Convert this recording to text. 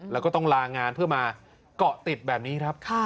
แล้วก็ต้องลางานเพื่อมาเกาะติดแบบนี้ครับ